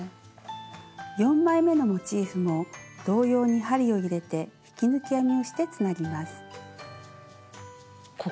４枚めのモチーフも同様に針を入れて引き抜き編みをしてつなぎます。